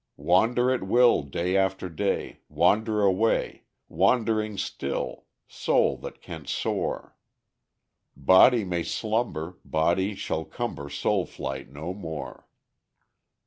Wander at will, Day after day, Wander away, Wandering still Soul that canst soar! Body may slumber: Body shall cumber Soul flight no more.